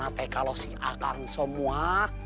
bagaimana kalau si akang semua